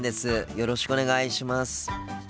よろしくお願いします。